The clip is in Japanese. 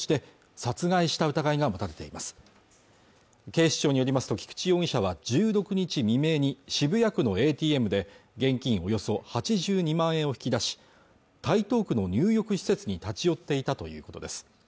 警視庁によりますと菊池容疑者は１６日未明に渋谷区のＡＴＭで現金およそ８２万円を引き出し台東区の入浴施設に立ち寄っていたということです